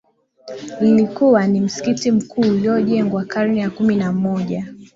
lilikuwa ni msikiti mkuu uliojengwa karne ya kumi na moja